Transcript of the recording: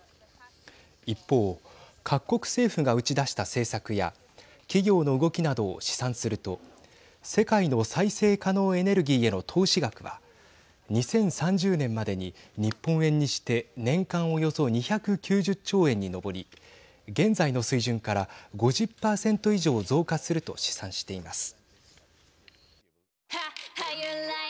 一方各国政府が打ち出した政策や企業の動きなどを試算すると世界の再生可能エネルギーへの投資額は２０３０年までに日本円にして年間およそ２９０兆円に上り現在の水準から５０％以上増加すると試算しています。